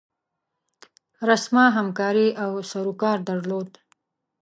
رسما همکاري او سروکار درلود.